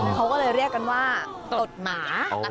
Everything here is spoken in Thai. เขาก็เลยเรียกกันว่าตดหมา